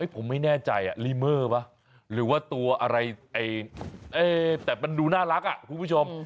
ผมไม่แน่ใจลิเมอร์ป่ะหรือว่าตัวอะไรแต่มันดูน่ารักคุณผู้ชม